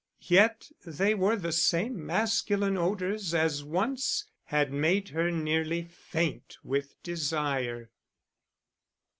Yet they were the same masculine odours as once had made her nearly faint with desire.